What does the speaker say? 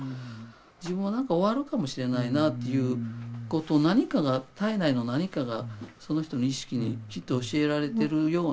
自分は何か終わるかもしれないなということを体内の何かがその人の意識にきっと教えられてるような。